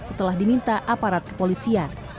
setelah diminta aparat kepolisian